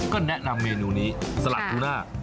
ก็แนะนำเมนูนี้สลัดทูน่า